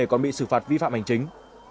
còn bị xử phạt vi phạm hành chính